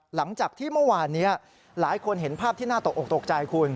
หลังจากที่เมื่อวานนี้หลายคนเห็นภาพที่น่าตกออกตกใจคุณ